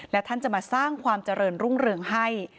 และท่านจะมาสร้างความเจริญรุ่งเรืองให้